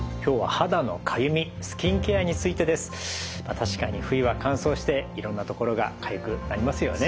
確かに冬は乾燥していろんなところがかゆくなりますよね。